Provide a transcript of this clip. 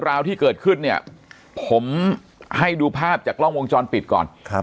ราวที่เกิดขึ้นเนี่ยผมให้ดูภาพจากกล้องวงจรปิดก่อนครับ